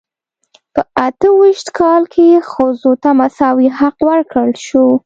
په اته ویشت کال کې ښځو ته مساوي حق ورکړل شو.